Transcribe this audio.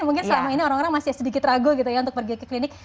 mungkin selama ini orang orang masih sedikit ragu gitu ya untuk pergi ke klinik